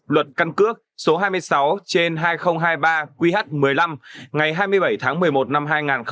luật căn cước số hai mươi sáu trên hai nghìn hai mươi ba qh một mươi năm ngày hai mươi bảy tháng một mươi một năm hai nghìn hai mươi ba